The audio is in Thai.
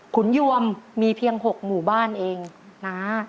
ขุนยวมมีเพียง๖หมู่บ้านเองนะ